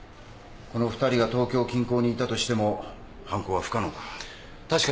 この２人が東京近郊にいたとしても犯行は不可能だ。